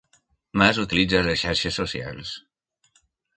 Mas utilitza les xarxes socials